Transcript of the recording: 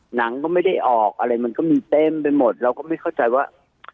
หนังก็ไม่ได้ออกอะไรมันก็มีเต็มไปหมดเราก็ไม่เข้าใจว่า